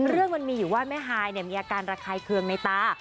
เรื่องมันมีอยู่ว่าแม่ฮายมีอาการระคายเคืองในตา